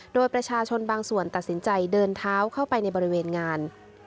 โดยประชาชนบางส่วนตัดสินใจเดินเท้าเข้าไปในบริเวณงาน